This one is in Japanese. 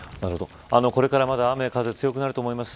これからまだ雨や風が強くなると思います。